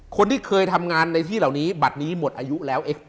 คนที่เคยทำงานในที่เหล่านี้บัตรนี้หมดอายุแล้ว